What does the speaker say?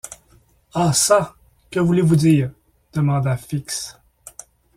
Ah çà! que voulez-vous dire? demanda Fix.